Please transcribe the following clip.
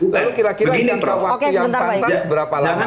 lalu kira kira jangka waktu yang pantas berapa lama